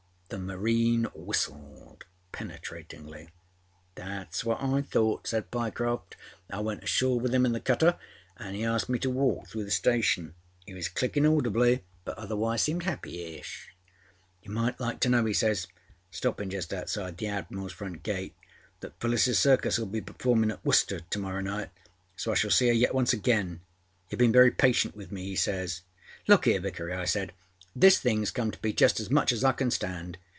â The marine whistled penetratingly. âThatâs what I thought,â said Pyecroft. âI went ashore with him in the cutter anâ âe asked me to walk through the station. He was clickinâ audibly, but otherwise seemed happy ish. ââYou might like to know,â he says, stoppinâ just opposite the Admiralâs front gate, âthat Phyllisâs Circus will be performinâ at Worcester to morrow night. So I shall see âer yet once again. Youâve been very patient with me,â he says. ââLook here, Vickery,â I said, âthis thingâs come to be just as much as I can stand.